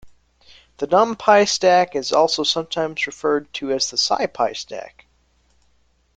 The NumPy stack is also sometimes referred to as the SciPy stack.